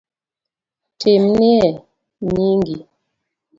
Timnie nyingi